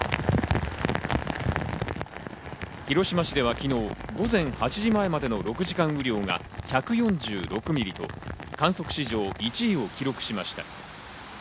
広島市では昨日、午前８時前までの６時間の雨量が１４６ミリと観測史上１位を記録しました。